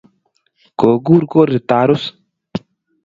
Kokur Korir Tarus.